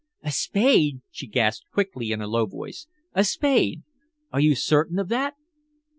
"A spade!" she gasped quickly in a low voice. "A spade! Are you certain of that?"